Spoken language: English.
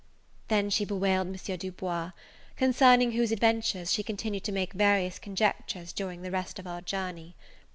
Then she bewailed M. Du Bois; concerning whose adventures she continued to make various conjectures during the rest of our journey.